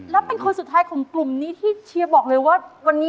แล้วเป็นคนสุดท้ายของกลุ่มนี้ที่เชียร์บอกเลยว่าวันนี้